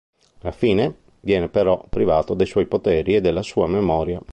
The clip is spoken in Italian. Alla fine viene però privato dei suoi poteri e della sua memoria.